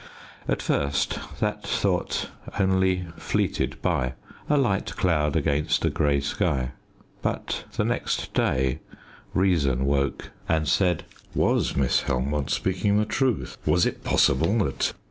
At first that thought only fleeted by a light cloud against a grey sky but the next day reason woke, and said "Was Miss Helmont speaking the truth? Was it possible that